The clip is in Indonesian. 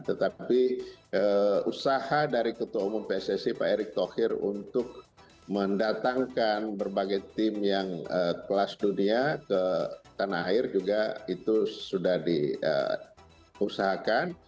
tetapi usaha dari ketua umum pssi pak erick thohir untuk mendatangkan berbagai tim yang kelas dunia ke tanah air juga itu sudah diusahakan